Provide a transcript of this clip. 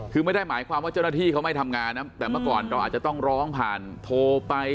คือไม่ได้หมายความว่าเจ้าหน้าที่เขาไม่ทำงานนะแต่เมื่อก่อนเราอาจจะต้องร้องผ่านโทรไป